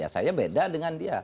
saya beda dengan dia